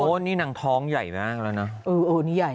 โอ้นี่หนังท้องใหญ่มากแล้วเนอะ